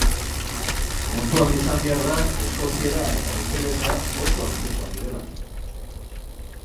Kontuan izan behar da eskoziera eta ingelesa oso antzekoak direla.